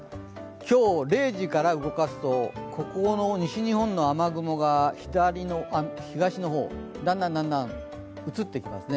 今日、０時から動かすと、西日本の雨雲が東の方だんだん、移っていきますね。